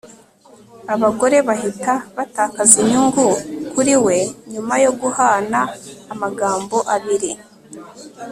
Abagore bahita batakaza inyungu kuri we nyuma yo guhana amagambo abiri